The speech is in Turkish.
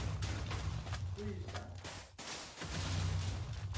Bu yüzden...